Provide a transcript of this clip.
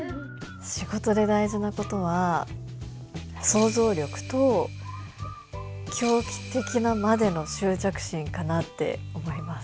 仕事で大事なことは想像力と狂気的なまでの執着心かなって思います。